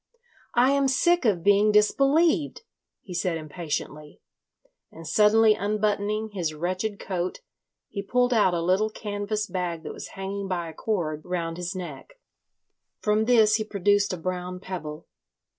"I am sick of being disbelieved," he said impatiently, and suddenly unbuttoning his wretched coat he pulled out a little canvas bag that was hanging by a cord round his neck. From this he produced a brown pebble.